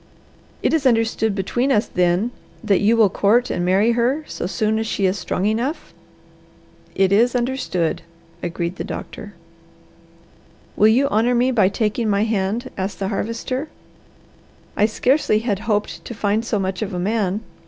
"It is understood between us, then, that you will court and marry her so soon as she is strong enough?" "It is understood," agreed the doctor. "Will you honour me by taking my hand?" asked the Harvester. "I scarcely had hoped to find so much of a man.